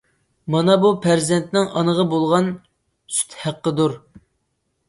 مانا بۇ پەرزەنتنىڭ ئانىغا بولغان سۈت ھەققىدۇر.